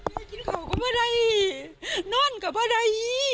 แมวจิ้นเขาก็พอได้นอนก็พอได้